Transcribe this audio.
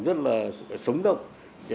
rất là sống động